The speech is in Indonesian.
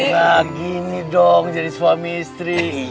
gak gini dong jadi suami istri